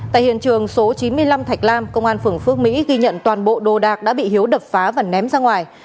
tại hiện trường số chín mươi năm thạch lam công an phường phước mỹ ghi nhận toàn bộ đồ đạc đã bị hiếu đập phá và ném ra ngoài